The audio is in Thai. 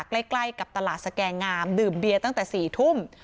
ใกล้กับตลาดสแกงามดื่มเบียร์ตั้งแต่๔ทุ่ม